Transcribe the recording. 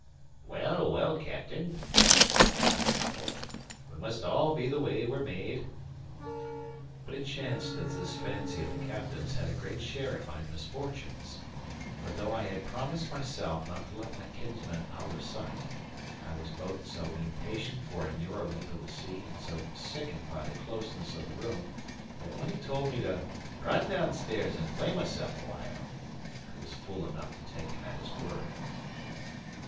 "Well, well, captain," replied my uncle, "we must all be the way we're made." But it chanced that this fancy of the captain's had a great share in my misfortunes. For though I had promised myself not to let my kinsman out of sight, I was both so impatient for a nearer look of the sea, and so sickened by the closeness of the room, that when he told me to "run down stairs and play myself awhile," I was fool enough to take him at his word.